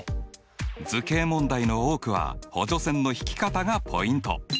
図形問題の多くは補助線の引き方がポイント。